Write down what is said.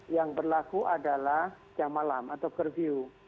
yang berlaku adalah jam malam atau curview